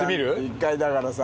１回だからさ。